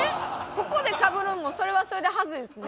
ここでかぶるんもそれはそれで恥ずいですね。